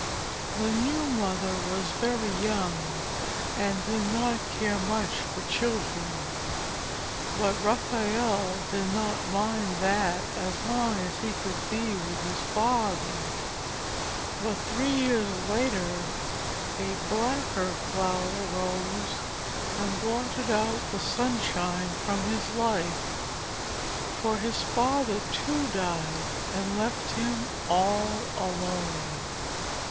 The new mother was very young, and did not care much for children, but Raphael did not mind that as long as he could be with his father. But three years later a blacker cloud arose and blotted out the sunshine from his life, for his father too died, and left him all alone.